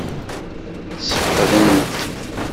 Ssfeqden-t?